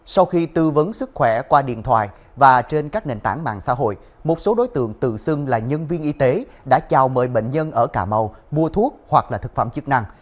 sau khi tư vấn sức khỏe qua điện thoại và trên các nền tảng mạng xã hội một số đối tượng tự xưng là nhân viên y tế đã chào mời bệnh nhân ở cà mau mua thuốc hoặc là thực phẩm chức năng